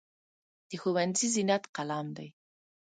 د ښوونځي زینت قلم دی.